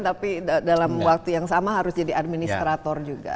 tapi dalam waktu yang sama harus jadi administrator juga